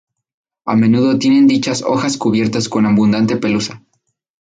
A menudo tienen dichas hojas cubiertas con abundante pelusa.